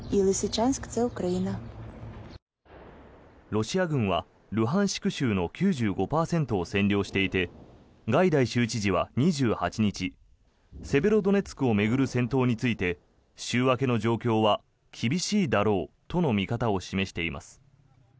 ロシア軍はルハンシク州の９５％を制圧していてガイダイ州知事は２８日セベロドネツクを巡る戦闘について週明けの状況は厳しいだろうとの見方を示しています。